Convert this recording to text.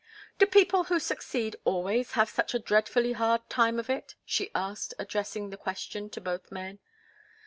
"Do people who succeed always have such a dreadfully hard time of it?" she asked, addressing the question to both men.